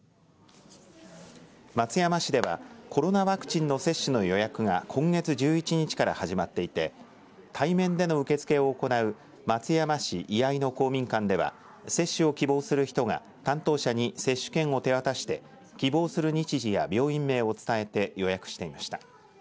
松山市ではコロナワクチンの接種の予約が今月１１日から始まっていて対面での受け付けを行う松山市居相の公民館では接種を希望する人が担当者に接種券を手渡して希望する日時や病院名を伝えて予約していました。